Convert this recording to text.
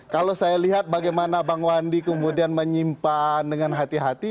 kalau saya lihat bagaimana bang wandi kemudian menyimpan dengan hati hati